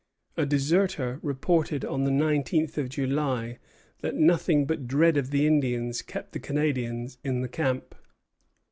'" A deserter reported on the nineteenth of July that nothing but dread of the Indians kept the Canadians in the camp.